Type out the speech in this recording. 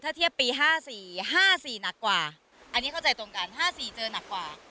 ถ้าเทียบปีห้าสี่ห้าสี่หนักกว่าอันนี้เข้าใจตรงกันห้าสี่เจอหนักกว่า